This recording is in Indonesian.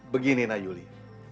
begini nak yuli